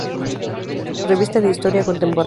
Revista de Historia Contemporánea".